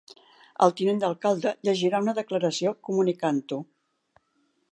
El tinent d'alcalde llegirà una declaració comunicant-ho